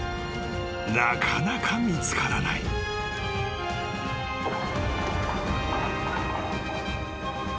［なかなか見つからない］えっ？